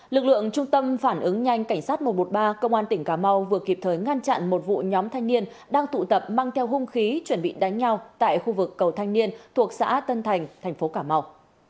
lực lượng trung tâm phản ứng nhanh cảnh sát một trăm một mươi ba công an tỉnh cà mau vừa kịp thời ngăn chặn một vụ nhóm thanh niên đang tụ tập mang theo hung khí chuẩn bị đánh nhau tại khu vực cầu thanh niên thuộc xã tân thành thành phố cà mau